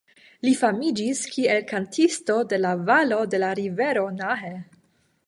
Li famiĝis kiel „kantisto de la valo de la rivero Nahe“.